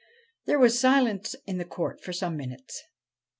There was silence in court for some minutes.